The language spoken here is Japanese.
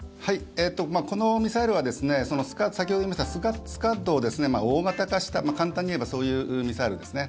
このミサイルは先ほど言いましたスカッドを大型化した、簡単に言えばそういうミサイルですね。